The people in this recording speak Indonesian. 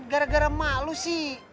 gara gara emak lo sih